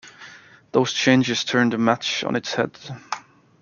Those changes turned the match on its head.